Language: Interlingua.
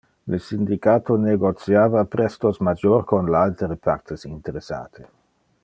Le syndicato negotiava prestos major con le altere partes interessate.